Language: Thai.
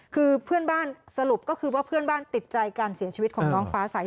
คือเพื่อนบ้านสรุปก็คือว่าเพื่อนบ้านติดใจการเสียชีวิตของน้องฟ้าสาย